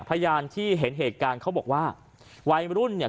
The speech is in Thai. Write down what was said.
พยานที่เห็นเหตุการณ์เขาบอกว่าวัยรุ่นเนี่ย